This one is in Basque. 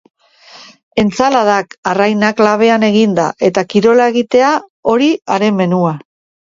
Entsaladak, arrainak labean eginda eta kirola egitea, hori haren menua.